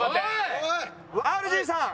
ＲＧさん。